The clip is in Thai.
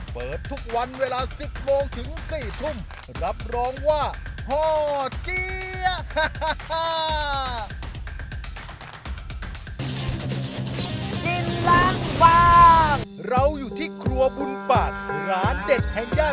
พี่ว่ามุนบอกออกแล้วหนูก็สวบลงไปเลยดีกว่า